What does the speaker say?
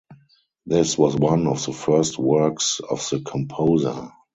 This was one of the first works of the composer.